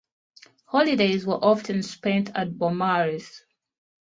Holidays were often spent at Beaumaris.